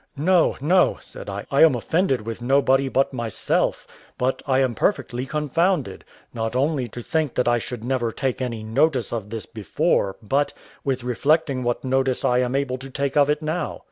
"No, no," said I, "I am offended with nobody but myself; but I am perfectly confounded, not only to think that I should never take any notice of this before, but with reflecting what notice I am able to take of it now.